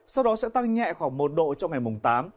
sau đó sẽ tăng nhẹ khoảng một độ trong ngày mùng tám